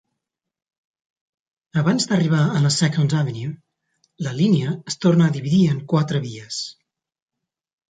Abans d'arribar a la "Second Avenue", la línia es torna a dividir en quatre vies.